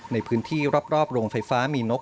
ในพื้นที่รอบโรงไฟฟ้ามีนก